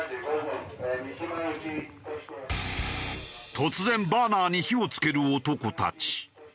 突然バーナーに火をつける男たち。